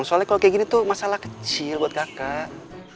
soalnya kalau kayak gini tuh masalah kecil buat kakak